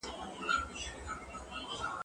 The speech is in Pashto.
زه هره ورځ پوښتنه کوم؟!